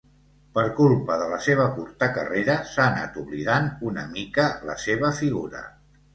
Per culpa de la seva curta carrera s'ha anat oblidant una mica la seva figura.